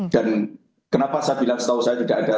dan kenapa saya bilang setahu saya tidak ada